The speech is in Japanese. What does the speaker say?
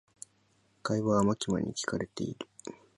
会話はマキマに聞かれている。